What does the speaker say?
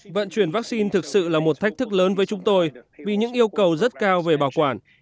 vận chuyển vaccine thực sự là một thách thức lớn với chúng tôi vì những yêu cầu rất cao về bảo quản